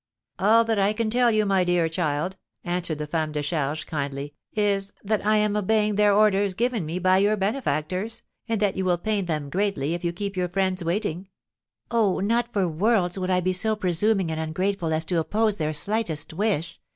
"All that I can tell you, my dear child," answered the femme de charge, kindly, "is, that I am obeying their orders given me by your benefactors, and that you will pain them greatly if you keep your friends waiting." "Oh, not for worlds would I be so presuming and ungrateful as to oppose their slightest wish!"